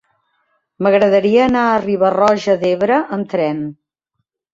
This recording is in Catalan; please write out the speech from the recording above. M'agradaria anar a Riba-roja d'Ebre amb tren.